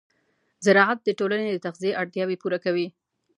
زراعت د ټولنې د تغذیې اړتیاوې پوره کوي.